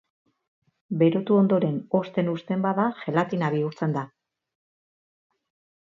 Berotu ondoren hozten uzten bada gelatina bihurtzen da.